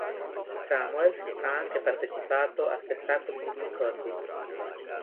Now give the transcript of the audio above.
Samuels ha anche partecipato a spettacoli di Bill Cosby.